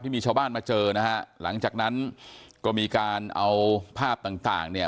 มีชาวบ้านมาเจอนะฮะหลังจากนั้นก็มีการเอาภาพต่างต่างเนี่ย